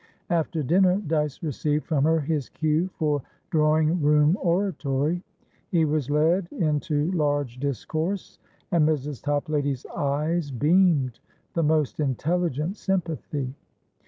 After dinner, Dyce received from her his cue for drawing room oratory; he was led into large discourse, and Mrs. Toplady's eyes beamed the most intelligent sympathy.